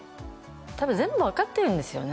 多分全部分かってるんですよね